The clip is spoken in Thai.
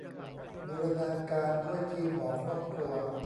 บูรณาการด้วยทีมหมอครอบครัว